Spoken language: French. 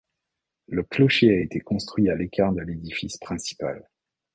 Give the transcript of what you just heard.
Le clocher a été construit à l'écart de l'édifice principal.